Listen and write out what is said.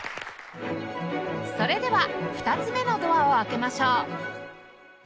それでは２つ目のドアを開けましょう